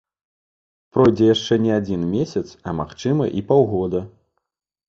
Пройдзе яшчэ не адзін месяц, а, магчыма, і паўгода.